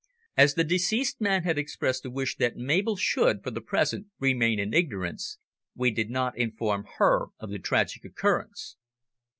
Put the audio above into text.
As the deceased man had expressed a wish that Mabel should, for the present, remain in ignorance, we did not inform her of the tragic occurrence.